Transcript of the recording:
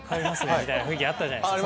みたいな雰囲気あったじゃないですか。